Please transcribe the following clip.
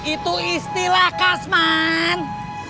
itu istilah kasman